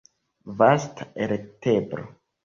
Vasta elekteblo.